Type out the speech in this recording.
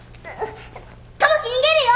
友樹逃げるよ。